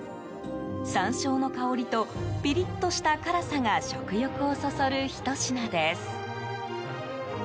山椒の香りとピリッとした辛さが食欲をそそる、ひと品です。